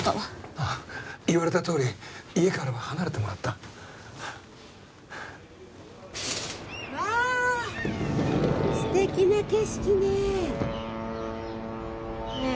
ああ言われたとおり家からは離れてもらったわあ素敵な景色ねねえ